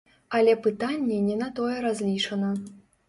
Але пытанне не на тое разлічана.